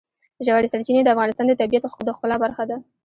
ژورې سرچینې د افغانستان د طبیعت د ښکلا برخه ده.